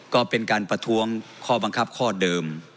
ก็เป็นการประท้วงข้อบังคับข้อเดิม